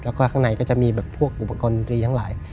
แล้วก็ข้างในก็จะมีแบบพวกอุปกรณ์ดรีทั้งหลาย